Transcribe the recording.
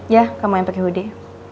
ya kamu yang pakai hoodie